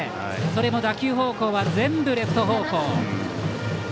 それも打球方向は全部レフト方向。